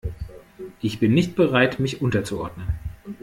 Ich bin nicht bereit, mich unterzuordnen.